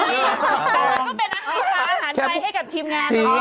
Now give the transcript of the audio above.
คุณสามารถก็เป็นอาหารใจให้กับทีมงาน